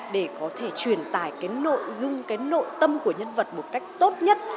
để có thể truyền tải cái nội dung cái nội tâm của nhân vật một cách tốt nhất